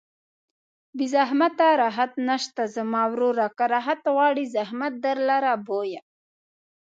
بې زحمته راحت نشته زما وروره که راحت غواړې زحمت در لره بویه